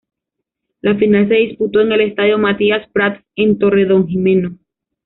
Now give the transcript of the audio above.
La final se disputó en el estadio Matías Prats, en Torredonjimeno.